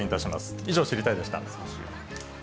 以上、知りたいッ！でした。